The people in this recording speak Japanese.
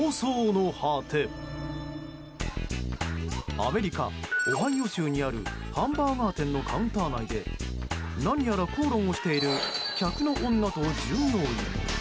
アメリカ・オハイオ州にあるハンバーガー店のカウンター内で何やら口論をしている女客と従業員。